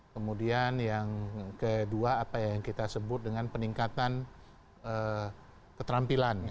kemudian yang kedua apa yang kita sebut dengan peningkatan keterampilan